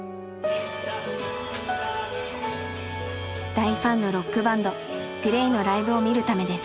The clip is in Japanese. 大ファンのロックバンドＧＬＡＹのライブを見るためです。